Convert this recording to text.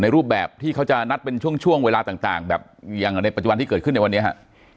รูปแบบที่เขาจะนัดเป็นช่วงเวลาต่างแบบอย่างในปัจจุบันที่เกิดขึ้นในวันนี้ฮะ